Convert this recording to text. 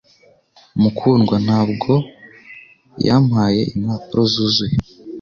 Mukundwa, ntabwo yampaye impapuro zuzuye